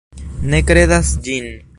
Ne kredas ĝin.